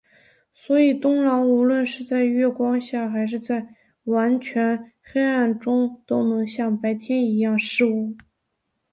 所以冬狼无论是在月光下还是在完全黑暗中都能像白天一样视物。